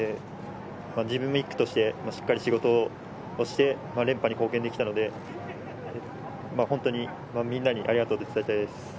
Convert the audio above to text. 自分が１区としてしっかり仕事をして連覇に貢献できたので本当にみんなにありがとうと伝えたいです。